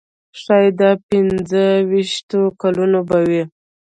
ښایي د پنځه ویشتو کلونو به وي.